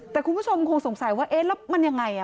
แต่คุณผู้ชมคงสงสัยว่าเอ๊ะแล้วมันยังไง